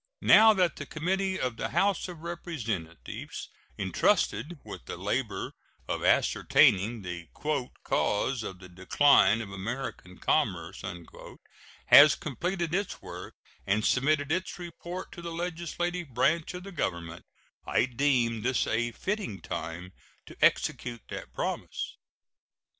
Now that the committee of the House of Representatives intrusted with the labor of ascertaining "the cause of the decline of American commerce" has completed its work and submitted its report to the legislative branch of the Government, I deem this a fitting time to execute that promise.